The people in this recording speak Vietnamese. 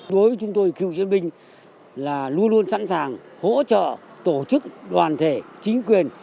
đối với chúng tôi cựu chiến binh là luôn luôn sẵn sàng hỗ trợ tổ chức đoàn thể chính quyền